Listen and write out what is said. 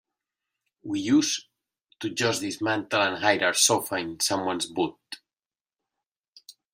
We used to just dismantle and hide our sofa in someone's boot.